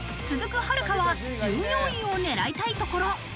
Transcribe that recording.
続くはるかは１４位を狙いたいところ。